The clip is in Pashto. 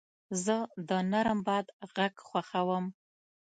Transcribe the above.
زه د نرم باد غږ خوښوم.